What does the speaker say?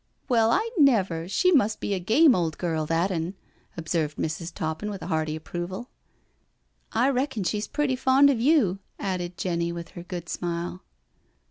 " Well, I never, she must be a game old girl, that 'un," observed Mrs. Toppin with hearty approval. " I reckon she's pretty fond of you," added Jenny, with her good smile.